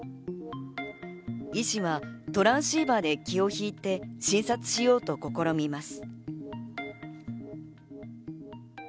医師はトランシーバーで気を引いて診察しようと試みます。